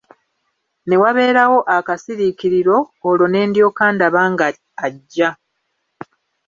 Ne wabeerawo akasiriikiriro, olwo ne ndyoka ndaba nga ajja